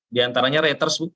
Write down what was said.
di antaranya reuters bu